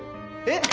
えっ！